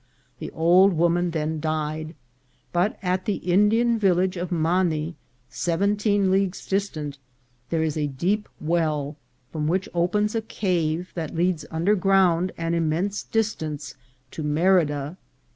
The old woman •jhen died ; but at the Indian village of Mani, seventeen Jeagues distant, there is a deep well, from which opens a cave that leads under ground an immense distance to Merida.